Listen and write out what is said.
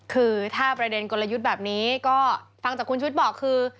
คือถ้าประเด็นกลยุทธ์แบบนี้ก็ฟังจากคุณชุวิตบอกคือ